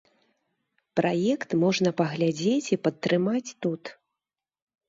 Праект можна паглядзець і падтрымаць тут.